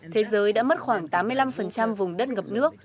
thế giới đã mất khoảng tám mươi năm vùng đất ngập nước